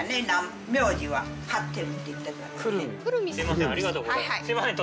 すみませんありがとうございます。